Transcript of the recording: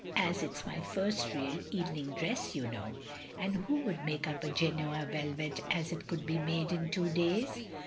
" As it 's my first real evening dress, you know. " "And who would make up a Grenoa velvet, as it should be made, in two days?